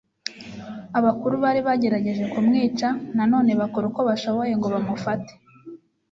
Abakuru bari bagerageje kumwica, na none bakora uko bashoboye ngo bamufate: